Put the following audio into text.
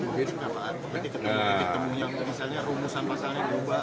kementerian ketengah yang misalnya rumusan pasangan yang berubah